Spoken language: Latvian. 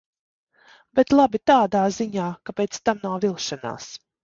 Bet labi tādā ziņā, ka pēc tam nav vilšanās.